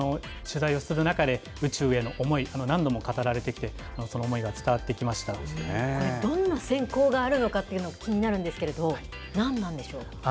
取材をする中で、宇宙への思い、何度も語られてきて、その思いがこれ、どんな選考があるのかというの、気になるんですけれど、何なんでしょう。